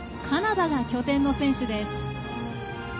カナダが拠点の選手です。